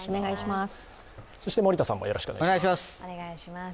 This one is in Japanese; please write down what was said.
そして森田さんもよろしくお願いします。